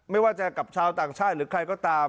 ไม่ว่าจะกับชาวต่างชาติหรือใครก็ตาม